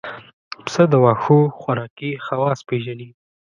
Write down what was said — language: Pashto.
پسه د واښو خوراکي خواص پېژني.